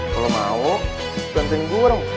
kalau mau ganteng gue dong